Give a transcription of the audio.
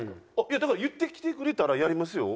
いやだから言ってきてくれたらやりますよ。